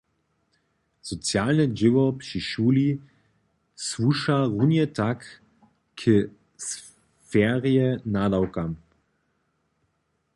Socialne dźěło při šuli słuša runje tak k sferje nadawkam.